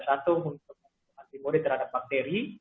satu untuk antibody terhadap bakteri